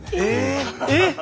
えっ！